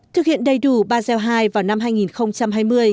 thực hiện đầy đủ basel ii vào năm hai nghìn hai mươi